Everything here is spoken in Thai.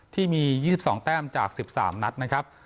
ที่มี๒๒แต้มจาก๑๓นัดนะครับ